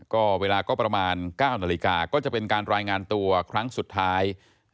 ก็เวลาก็ประมาณ๙นาฬิกาก็จะเป็นการรายงานตัวครั้งสุดท้าย